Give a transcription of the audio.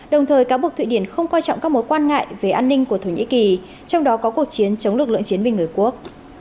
đồng thời cáo buộc thụy điển không coi trọng các mối quan ngại về an ninh của thổ nhĩ kỳ trong đó có cuộc chiến chống lực lượng chiến binh người quốc